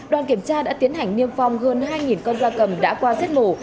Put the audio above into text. đoàn kiểm tra đã tiến hành niêm phong hơn hai con da cầm đã qua giết mổ